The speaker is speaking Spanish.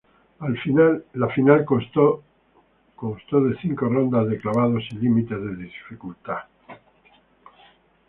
La final constó de cinco rondas de clavados sin límite de dificultad.